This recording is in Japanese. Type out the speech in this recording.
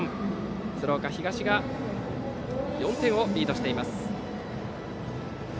鶴岡東が４点リードしています。